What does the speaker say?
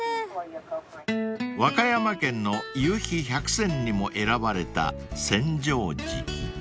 ［和歌山県の夕陽１００選にも選ばれた千畳敷］